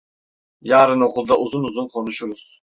Yarın okulda uzun uzun konuşuruz.